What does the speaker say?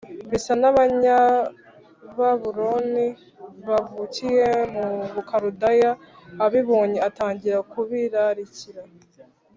Bisa n abanyababuloni bavukiye mu bukaludaya abibonye atangira kubirarikira